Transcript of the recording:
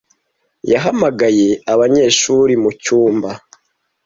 Yahamagaye abanyeshuri mucyumba.